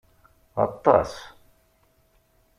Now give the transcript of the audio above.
Aṭṭas!